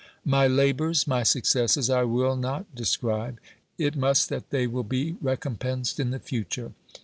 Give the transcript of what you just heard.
My labours, my successes I will not describe. It must that they will be recompensed in the future.